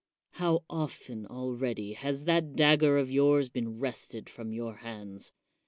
How often already has that dagger of yours been wrested from your hands?